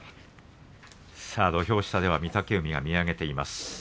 土俵下では御嶽海が見上げています。